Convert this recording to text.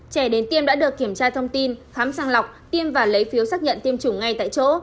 trẻ đến tiêm đã được kiểm tra thông tin khám sang lọc tiêm và lấy phiếu xác nhận tiêm chủng ngay tại chỗ